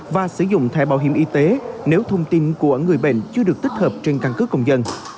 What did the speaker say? và sử dụng thẻ bảo hiểm y tế nếu thông tin của người bệnh chưa được tích hợp trên căn cứ công dân